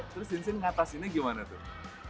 terus sinsin ngatasinnya gimana tuh